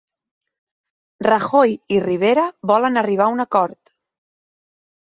Rajoy i Rivera volen arribar a un acord